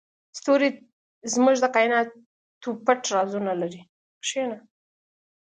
ستوري زموږ د کایناتو پټ رازونه لري.